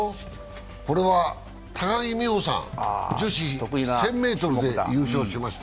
これは高木美帆さん、女子１０００ｍで優勝しました。